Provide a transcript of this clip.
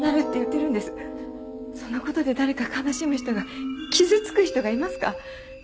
その事で誰か悲しむ人が傷つく人がいますか？